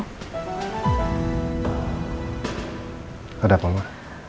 gak ada apa apa